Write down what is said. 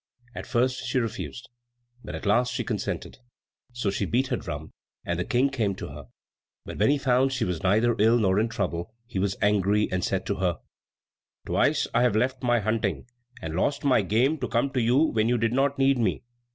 At first she refused, but at last she consented. So she beat her drum, and the King came to her. But when he found she was neither ill nor in trouble, he was angry, and said to her, "Twice I have left my hunting and lost my game to come to you when you did not need me.